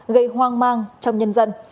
gây hoang mang trong nhân dân